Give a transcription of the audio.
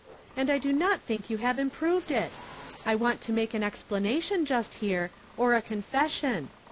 And I do not think you have improved it I want to make an explanation just here, or a con lession.